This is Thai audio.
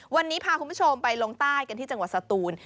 วันนี้พาคุณผู้ชมไปลงใต้กันที่จังหวัดสตูน